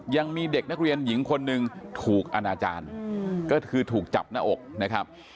ยังมีเด็กนักเรียนหญิงคนหนึ่งถูกอนาจารย์ก็คือถูกจับหน้าอกนะครับ